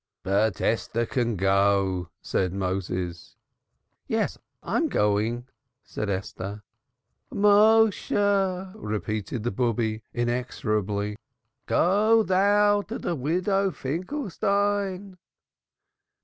"But Esther can go," said Moses. "Yes, I'm going," said Esther. "Méshe!" repeated the Bube inexorably. "Go thou to the Widow Finkelstein."